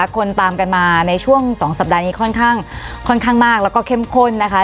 คนตามกันมาในช่วง๒สัปดาห์นี้ค่อนข้างมากแล้วก็เข้มข้นนะคะ